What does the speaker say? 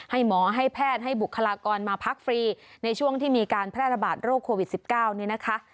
หมอให้แพทย์ให้บุคลากรมาพักฟรีในช่วงที่มีการแพร่ระบาดโรคโควิด๑๙เนี่ยนะคะ